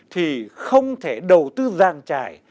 thì không thể đầu tư giang trải